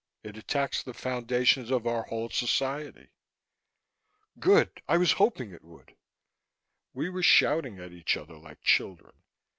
It attacks the foundations of our whole society!" "Good! I was hoping it would!" We were shouting at each other like children.